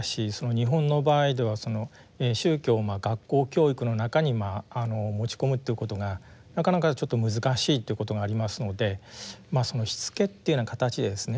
日本の場合では宗教を学校教育の中に持ち込むっていうことがなかなかちょっと難しいっていうことがありますのでしつけっていうような形でですね